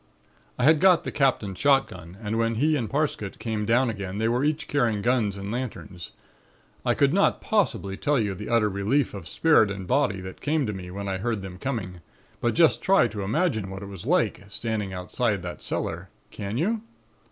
"I had got the Captain's shotgun and when he and Parsket came down again they were each carrying guns and lanterns. I could not possibly tell you the utter relief of spirit and body that came to me when I heard them coming, but just try to imagine what it was like, standing outside of that cellar. Can you?